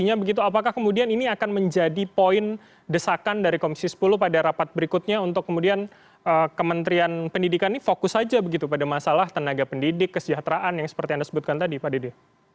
apakah kemudian ini akan menjadi poin desakan dari komisi sepuluh pada rapat berikutnya untuk kemudian kementerian pendidikan ini fokus saja begitu pada masalah tenaga pendidik kesejahteraan yang seperti anda sebutkan tadi pak dede